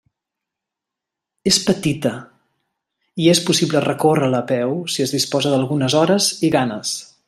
És petita, i és possible recórrer-la a peu si es disposa d'algunes hores i ganes.